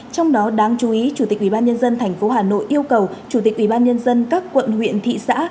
trong đó đáng chú ý chủ tịch ubnd tp hà nội yêu cầu chủ tịch ubnd các quận huyện thị xã